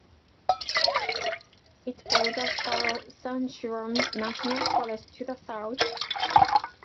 It borders the San Juan National Forest to the south.